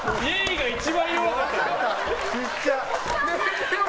が一番弱かったよ。